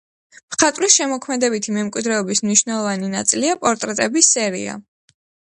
მხატვრის შემოქმედებითი მემკვიდრეობის მნიშვნელოვანი ნაწილია პორტრეტების სერია.